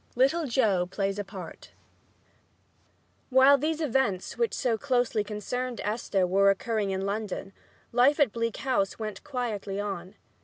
III LITTLE JOE PLAYS A PART While these events, which so closely concerned Esther, were occurring in London, life at Bleak House went quietly on.